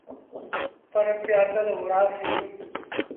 پر پيٚآدل وُهڙآ سيٚݩ۔